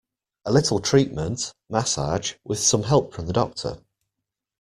A little treatment, massage, with some help from the doctor.